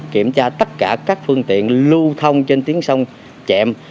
kiểm tra tất cả các phương tiện lưu thông trên tiếng sông chẹm